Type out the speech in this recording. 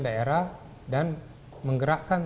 daerah dan menggerakkan